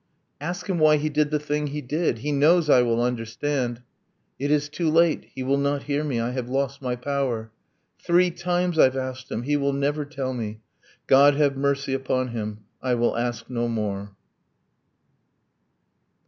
. 'Ask him why he did the thing he did! He knows I will understand!' 'It is too late: He will not hear me: I have lost my power.' 'Three times I've asked him! He will never tell me. God have mercy upon him. I will ask no more.'